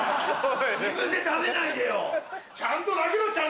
自分で食べないでよ。